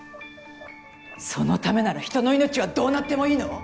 そのためなら人の命はどうなってもいいの？